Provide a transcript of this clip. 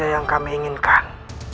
apa yang kami inginkan